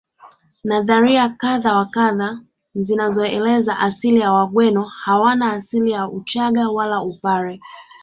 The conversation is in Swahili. Nadharia kadha wa kadha zinazoeleza asili ya Wagweno hawana asili ya Uchaga wala Upare